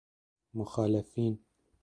مخالفین